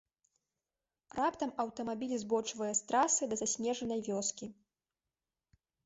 Раптам аўтамабіль збочвае з трасы да заснежанай вёскі.